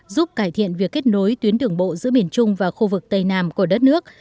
giúp cải thiện việc kết nối tuyến đường bộ giữa miền trung và khu vực tây nam của đất nước